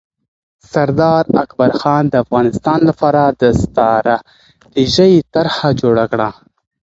سردار اکبرخان د افغانانو لپاره د ستراتیژۍ طرحه جوړه کړه.